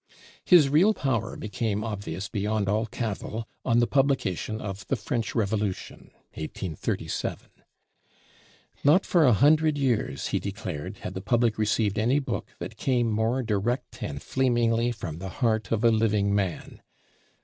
His real power became obvious beyond all cavil on the publication of the 'French Revolution' (1837). Not for a hundred years, he declared, had the public received any book that "came more direct and flamingly from the heart of a living man."